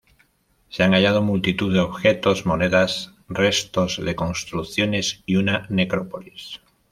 Se han hallado multitud de objetos, monedas, restos de construcciones y una necrópolis.